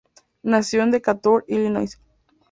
Nació en Decatur, Illinois.